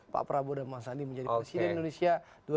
pak prabowo dan bang sandi menjadi presiden indonesia